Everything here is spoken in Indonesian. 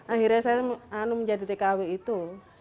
akhirnya saya menjadi tkw itu